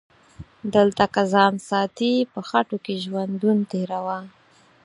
دلته که ځان ساتي په خټو کې ژوندون تیروه